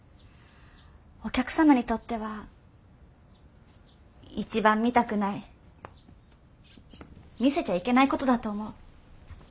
お客様にとっては一番見たくない見せちゃいけないことだと思う。